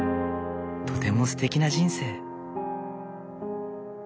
とてもすてきな人生。